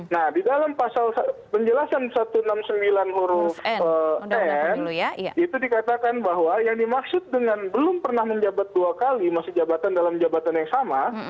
nah di dalam pasal penjelasan satu ratus enam puluh sembilan huruf n itu dikatakan bahwa yang dimaksud dengan belum pernah menjabat dua kali masa jabatan dalam jabatan yang sama